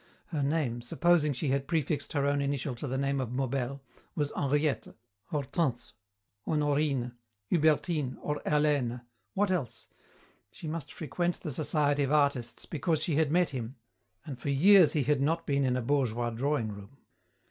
Her name, supposing she had prefixed her own initial to the name of Maubel, was Henriette, Hortense, Honorine, Hubertine, or Hélène. What else? She must frequent the society of artists, because she had met him, and for years he had not been in a bourgeois drawing room.